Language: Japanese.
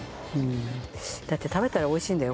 だって食べたら美味しいんだよ